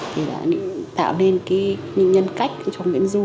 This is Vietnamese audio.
thì đã tạo nên những nhân cách trong nguyễn du